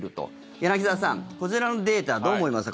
柳澤さん、こちらのデータはどう思いますか？